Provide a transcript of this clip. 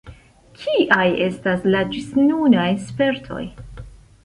Kiaj estas la ĝisnunaj spertoj?